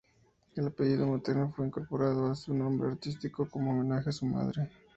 El apellido materno fue incorporado a su nombre artístico, como homenaje a su madre.